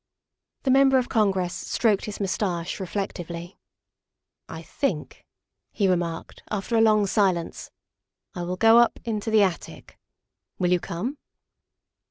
The Member of Congress stroked his mustache re flectively. '' I think, '' he remarked after a long silence, '' I will go up into the attic. Will you come?"